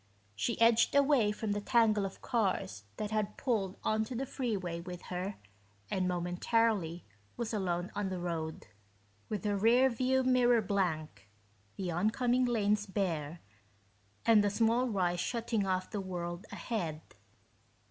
She edged away from the tangle of cars that had pulled onto the freeway with her and momentarily was alone on the road, with her rear view mirror blank, the oncoming lanes bare, and a small rise shutting off the world ahead.